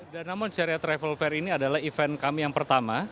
namun syariah travel fair ini adalah event kami yang pertama